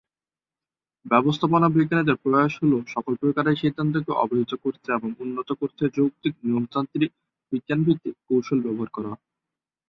ব্যবস্থাপনা বিজ্ঞানীদের প্রয়াস হল সকল প্রকারের সিদ্ধান্তকে অবহিত করতে এবং উন্নত করতে যৌক্তিক, নিয়মতান্ত্রিক, বিজ্ঞান ভিত্তিক কৌশল ব্যবহার করা।